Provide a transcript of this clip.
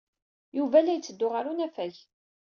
Yuba la yetteddu ɣer unafag.